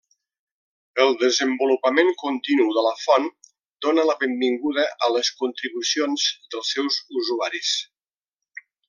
El desenvolupament continu de la font dóna la benvinguda a les contribucions dels seus usuaris.